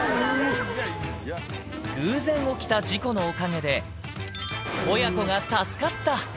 偶然起きた事故のおかげで、親子が助かった。